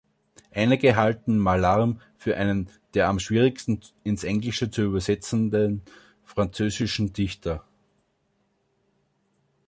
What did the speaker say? Einige halten Mallarmé für einen den am schwierigsten ins Englische zu übersetzenden französischen Dichter.